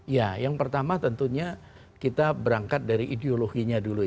ya yang pertama tentunya kita berangkat dari ideologi